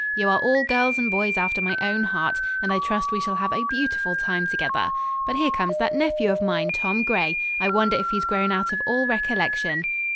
"You are all girls and boys after my own heart, and I trust we shall have a beautiful time together. But here comes that nephew of mine, Tom Gray. I wonder if he's grown out of all recollection."